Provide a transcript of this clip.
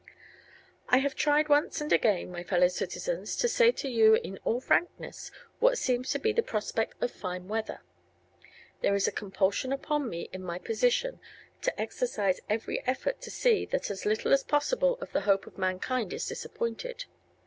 I have tried once and again, my fellow citizens, to say to you in all frankness what seems to be the prospect of fine weather. There is a compulsion upon one in my position to exercise every effort to see that as little as possible of the hope of mankind is disappointed.